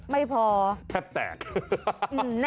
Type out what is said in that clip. ไม่พอแค่แตกฮ่าฮ่าฮ่าฮ่าฮ่า